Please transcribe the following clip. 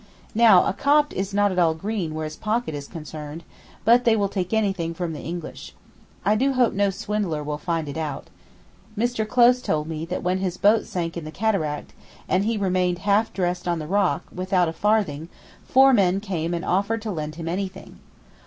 Now a Copt is not at all green where his pocket is concerned, but they will take anything from the English. I do hope no swindler will find it out. Mr. Close told me that when his boat sank in the Cataract, and he remained half dressed on the rock, without a farthing, four men came and offered to lend him anything.